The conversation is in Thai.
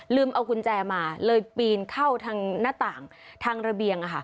เอากุญแจมาเลยปีนเข้าทางหน้าต่างทางระเบียง